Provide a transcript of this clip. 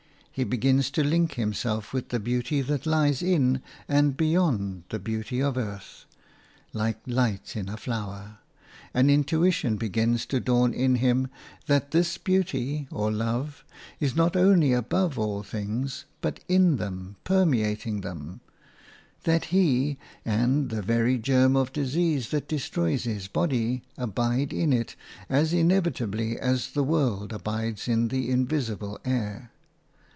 He begins to link himself with the Beauty that lies in and beyond the beauty of earth, like light in a flower; an intuition begins to dawn in him that this Beauty, or Love, is not only above all things, but in them, permeating them; that he and the very germ of disease that destroys his body abide in it as inevitably as the world abides in the invisible air.